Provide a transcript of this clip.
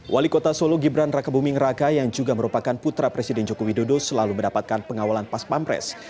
wali kota solo gibran raka buming raka yang juga merupakan putra presiden joko widodo selalu mendapatkan pengawalan pas pampres